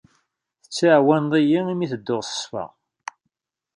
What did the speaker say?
Tettɛawaneḍ-iyi imi i ttedduɣ s ṣṣfa.